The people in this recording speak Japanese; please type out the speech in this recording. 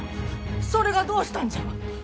それがどうしたんじゃ？